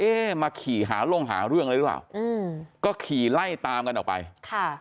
มาขี่หาลงหาเรื่องอะไรหรือเปล่าอืมก็ขี่ไล่ตามกันออกไปค่ะ